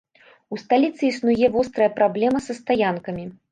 У сталіцы існуе вострая праблема са стаянкамі.